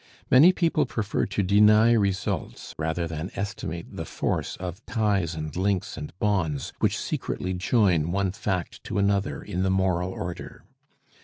Many people prefer to deny results rather than estimate the force of ties and links and bonds, which secretly join one fact to another in the moral order.